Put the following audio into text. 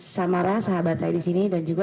samara sahabat saya di sini dan juga